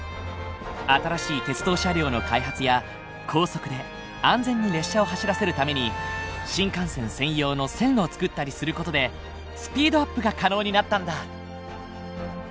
新しい鉄道車両の開発や高速で安全に列車を走らせるために新幹線専用の線路を造ったりする事でスピードアップが可能になったんだ。